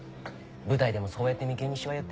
舞台でもそうやって眉間にしわ寄ってんのね。